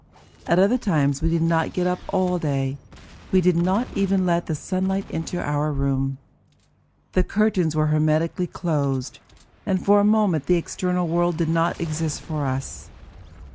At other times we did not get up all day; we did not even let the sunlight enter our room. The curtains were hermetically closed, and for a moment the external world did not exist for us.